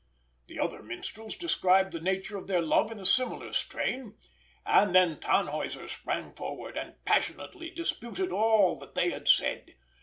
The other minstrels described the nature of their love in a similar strain; and then Tannhäuser sprang forward, and passionately disputed all that they had said.